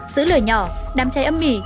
giữ lửa nhỏ đám cháy âm mỉ